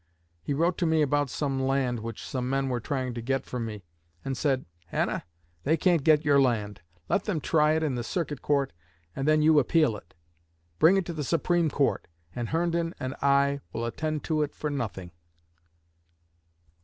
He wrote to me about some land which some men were trying to get from me, and said, 'Hannah, they can't get your land. Let them try it in the Circuit Court, and then you appeal it. Bring it to the Supreme Court, and Herndon and I will attend to it for nothing.'"